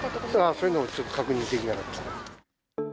そういうのもちょっと確認できなかった。